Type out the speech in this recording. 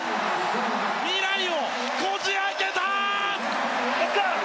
未来をこじ開けた！